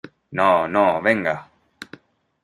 no. no, venga .